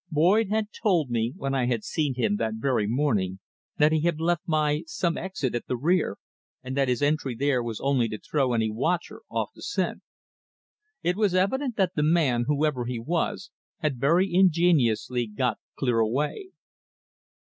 Boyd had told me, when I had seen him that very morning, that he had left by some exit at the rear, and that his entry there was only to throw any watcher off the scent. It was evident that the man, whoever he was, had very ingeniously got clear away.